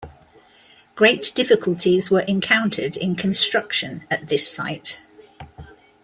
Great difficulties were encountered in construction at this site.